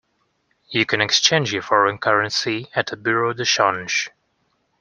You can exchange your foreign currency at a bureau de change